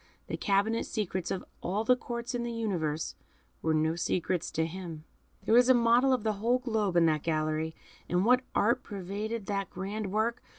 The cabinet secrets of all the Courts in the universe were no secrets to him. There was a model of the whole globe in that gallery, and what art pervaded that grand work!